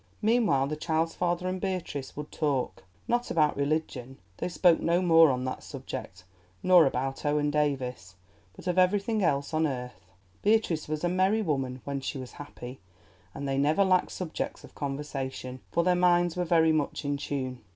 Meanwhile the child's father and Beatrice would talk—not about religion, they spoke no more on that subject, nor about Owen Davies, but of everything else on earth. Beatrice was a merry woman when she was happy, and they never lacked subjects of conversation, for their minds were very much in tune.